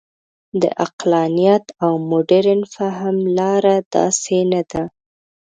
د عقلانیت او مډرن فهم لاره داسې نه ده.